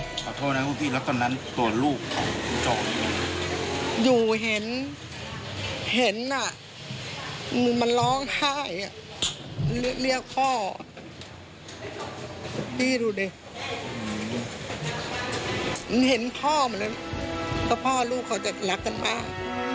อีฟไฟเรียกพ่อพี่ดูดิมันเห็นพ่อเหมือนกันเพราะพ่อลูกเขาจะรักกันมาก